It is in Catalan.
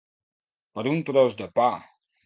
Per un tros de pa.